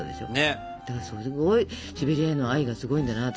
だからすごいシベリアへの愛がすごいんだなって。